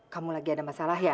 kamu lagi ada masalah ya